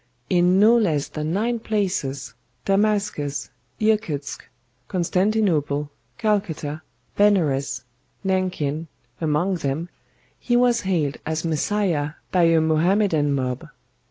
In no less than nine places Damascus, Irkutsk, Constantinople, Calcutta, Benares, Nanking, among them he was hailed as Messiah by a Mohammedan mob.